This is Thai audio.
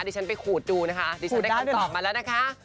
ดิฉันไปขูดดูนะคะดิฉันได้คำตอบมาแล้วนะคะ